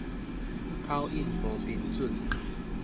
口允無憑準